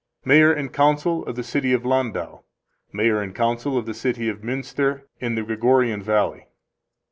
Mayor and Council of the City of Landau. Mayor and Council of the City of Muenster in the Gregorian Valley.